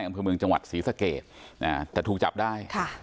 อำเภอเมืองจังหวัดศรีสะเกดแต่ถูกจับได้ค่ะ